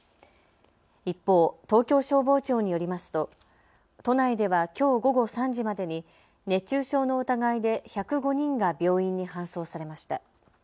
一方、東京消防庁によりますと都内ではきょう午後３時までに熱中症の疑いで１０５人が病院に搬送されました。